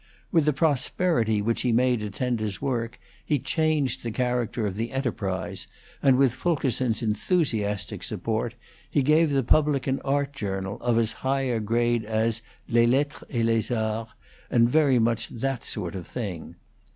With the prosperity which he made attend his work he changed the character of the enterprise, and with Fulkerson's enthusiastic support he gave the public an art journal of as high grade as 'Les Lettres et les Arts', and very much that sort of thing.